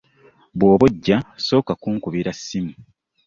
Bw'oba ojja osooka kunkubira ssimu.